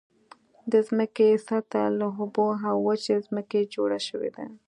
د ځمکې سطحه له اوبو او وچې ځمکې جوړ شوې ده.